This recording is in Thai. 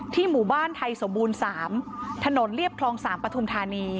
ที่หมู่บ้านไทยสมบูรณ์สามถนนเลียบคลองสามปทุมธานี